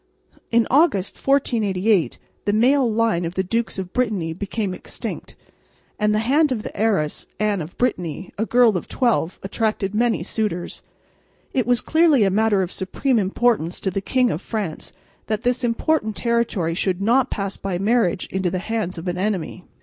In August, 1488, the male line of the Dukes of Brittany became extinct; and the hand of the heiress, Anne of Brittany, a girl of twelve, attracted many suitors. It was clearly a matter of supreme importance to the King of France that this important territory should not pass by marriage into the hands of an enemy.